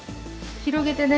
広げてね